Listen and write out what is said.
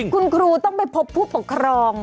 คุณครูต้องไปพบผู้ปกครอง